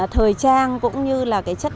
thời trang cũng như là cái chất lượng